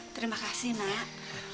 terima kasih nak